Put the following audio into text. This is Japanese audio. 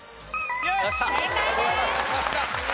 正解です。